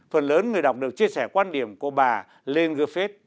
phần lớn người đọc đều chia sẻ quan điểm của bà lê ngược phết